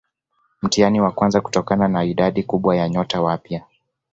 Mtihani wa kwanza kutokana na idadi kubwa ya nyota wapya